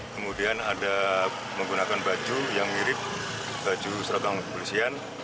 kemudian ada menggunakan baju yang mirip baju seragam kepolisian